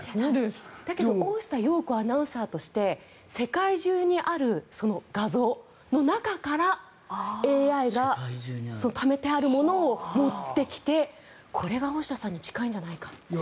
だけど大下容子アナウンサーとして世界中にある画像の中からＡＩがためてあるものを持ってきてこれが大下さんに近いんじゃないかと。